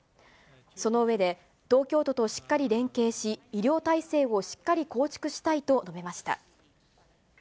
その上で、東京都としっかり連携し、医療体制をしっかり構築したいと述べました。